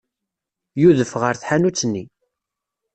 Yudef ɣer tḥanut-nni.